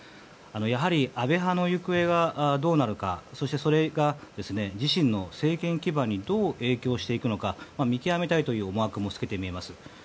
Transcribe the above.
やはり、安倍派の行方がどうなるかそして、それが自身の政権基盤にどう影響していくのか見極めたいという思惑も透けて見えます。